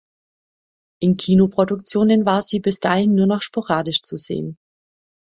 In Kino-Produktionen war sie bis dahin nur noch sporadisch zu sehen.